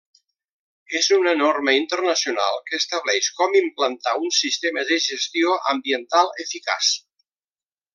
És una norma internacional que estableix com implantar un sistema de gestió ambiental eficaç.